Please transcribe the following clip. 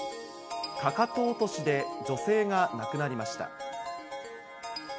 かかと落としで女性が亡くなりました。